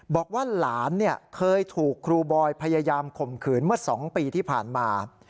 บอกว่าหลานเคยถูกครูบอยพยายามข่มขืนเมื่อ๒ปีที่ผ่านมา